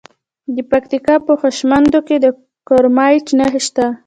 د پکتیکا په خوشامند کې د کرومایټ نښې شته.